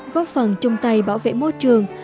góp phần chung tay bảo vệ môi trường